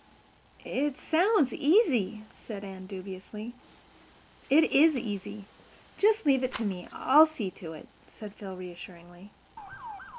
"It sounds easy," said Anne dubiously. "It is easy. Just leave it to me. I'll see to it," said Phil reassuringly.